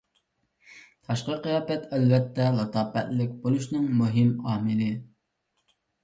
تاشقى قىياپەت ئەلۋەتتە لاتاپەتلىك بولۇشنىڭ مۇھىم ئامىلى.